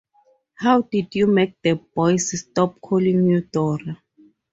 How did you make the boys stop calling you Dora?